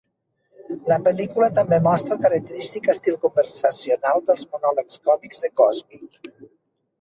La pel·lícula també mostra el característic estil conversacional dels monòlegs còmics de Cosby.